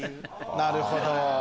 なるほど！